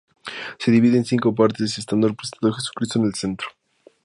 Se divide en cinco partes, estando representado Jesucristo en el centro.